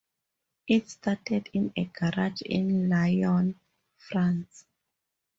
It started in a garage in Lyon, France.